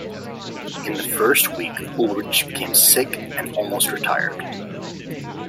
In the first week, Ullrich became sick and almost retired.